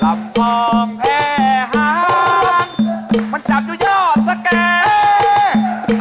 ลำพองแพ้ฮังมันจับอยู่ยอดสักแกเอ๊ะ